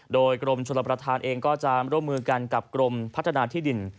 โดยกรมชลประธานเองก็จะร่วมมือกันกับกรมพัฒนาที่ดิน